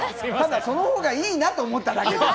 そのほうがいいなと思っただけで。